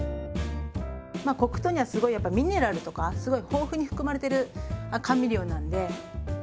黒糖にはすごいやっぱミネラルとかすごい豊富に含まれてる甘味料なんで。